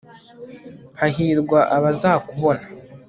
hahirwa abazakubona